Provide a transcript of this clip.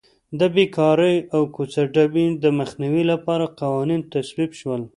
د بېکارۍ او کوڅه ډبۍ د مخنیوي لپاره قوانین تصویب شول.